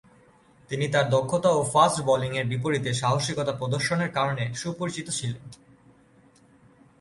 তিনি তার দক্ষতা ও ফাস্ট বোলিংয়ের বিপরীতে সাহসিকতা প্রদর্শনের কারণে সুপরিচিত ছিলেন।